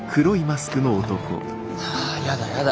あやだやだ。